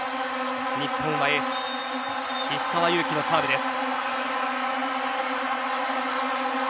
日本はエース石川祐希のサーブです。